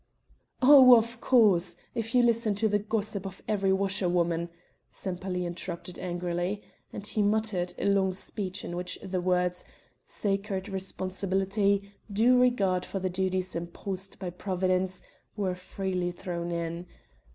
"Oh! of course, if you listen to the gossip of every washerwoman," Sempaly interrupted angrily. And he muttered a long speech in which the words: 'Sacred responsibility due regard for the duties imposed by Providence,' were freely thrown in.